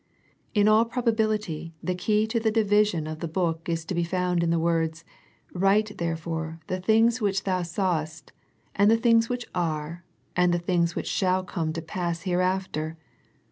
In all probability the key to the division of the book is to be found in the words, " Write , therefore the things which thou sawest, and the things which are, and the things which shall come to pass hereafter."